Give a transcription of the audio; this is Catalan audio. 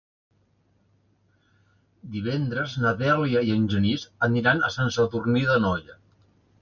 Divendres na Dèlia i en Genís aniran a Sant Sadurní d'Anoia.